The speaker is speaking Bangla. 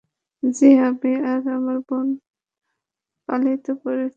জি, আমি আর আমার বোন পলিন পড়েছি।